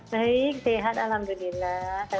baik sehat alhamdulillah